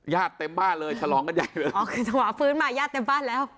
ญาติเต็มบ้านเลยชะลองกันใหญ่อ๋อคือธวะฟื้นมาญาติเต็มบ้านแล้ว